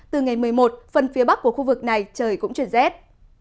từ ngày một mươi một phần phía bắc của khu vực này trời cũng chuyển rét